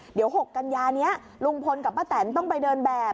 เดี๋ยว๖กันยานี้ลุงพลกับป้าแตนต้องไปเดินแบบ